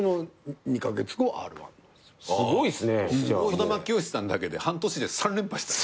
児玉清さんだけで半年で３連覇した。